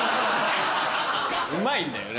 うまいんだよね。